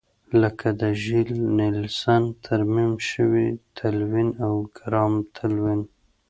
لکه د ژیل نیلسن ترمیم شوی تلوین او ګرام تلوین.